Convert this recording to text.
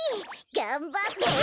がんばって！